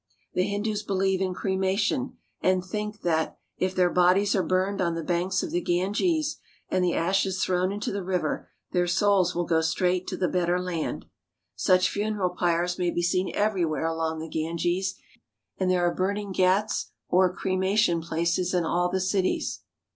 The Hindus believe in cre mation and think that, if their bodies are burned on the banks of the Ganges and the ashes thrown into the river, their souls will go straight to the better land. Such funeral pyres may be seen everywhere along the Ganges, and there are burning ghats or cremation places in all the cities.